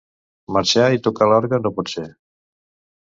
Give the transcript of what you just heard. Marxar i tocar l'orgue no pot ser.